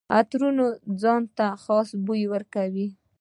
عطرونه ځان ته خاص بوی ورکوي.